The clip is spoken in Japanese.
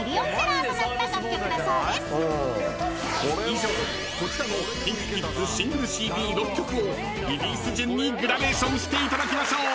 ［以上こちらのＫｉｎＫｉＫｉｄｓシングルＣＤ６曲をリリース順にグラデーションしていただきましょう］